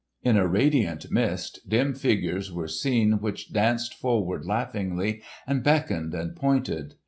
In a radiant mist dim figures were seen which danced forward laughingly and beckoned and pointed.